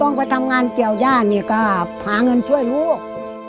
ไปทำงานเกี่ยวย่านเนี่ยก็หาเงินช่วยลูก